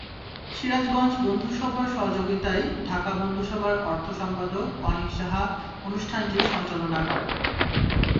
সিরাজগঞ্জ বন্ধুসভার সহযোগিতায় ঢাকা বন্ধুসভার অর্থ সম্পাদক অনিক সাহা অনুষ্ঠানটি সঞ্চালনা করেন।